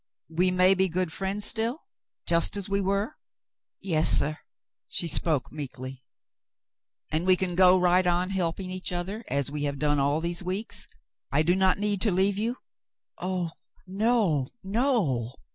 "We may be good friends still? Just as we were ?" "Yes, suh," she spoke meekly. 130 The Mountain Girl "And we can go right on helping each other, as we have done all these weeks ? I do not need to leave you ?" *'0h, no, no